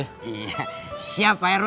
iya siap pak rw